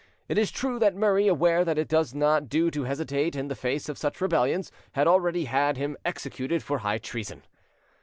It is true that Murray, aware that it does not do to hesitate in the face of such rebellions, had already had him executed for high treason.